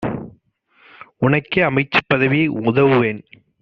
உனக்கே அமைச்சுப் பதவி உதவுவேன்!